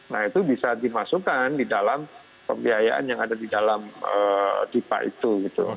nah itu bisa dimasukkan di dalam pembiayaan yang ada di dalam dipa itu gitu